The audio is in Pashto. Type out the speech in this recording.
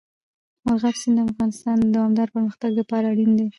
مورغاب سیند د افغانستان د دوامداره پرمختګ لپاره اړین دی.